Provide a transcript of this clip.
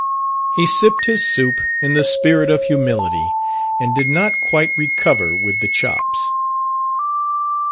He sipped his soup in the spirit of humility, and did not quite recover with the chops.